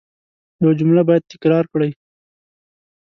یو جمله باید تکرار کړئ.